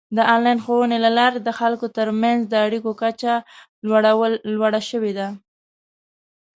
د آنلاین ښوونې له لارې د خلکو ترمنځ د اړیکو کچه لوړه شوې ده.